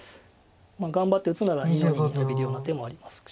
頑張って打つなら２の二にノビるような手もありますし。